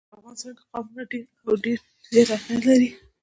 په افغانستان کې قومونه خورا ډېر او ډېر زیات اهمیت لري.